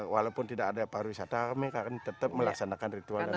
walaupun tidak ada pariwisata kami tetap melaksanakan ritual dan budaya